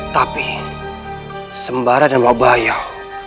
tapi sembarangan wabayam